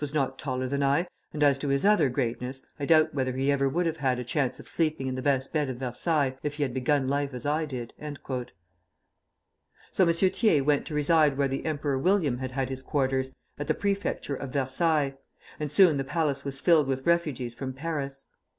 was not taller than I, and as to his other greatness, I doubt whether he ever would have had a chance of sleeping in the best bed of Versailles if he had begun life as I did." [Footnote 1: Temple Bar.] So M. Thiers went to reside where the Emperor William had had his quarters, at the Prefecture of Versailles, and soon the palace was filled with refugees from Paris.